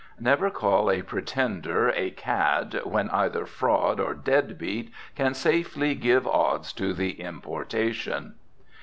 Never call a pretender a "cad," when either "fraud" or "dead beat" can safely give odds to the importation.